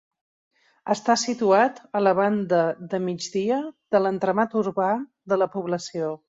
Està situat a la banda de migdia de l'entramat urbà de la població.